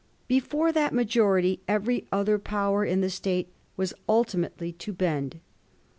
Before that majority every other power in the State was ultimately to bend.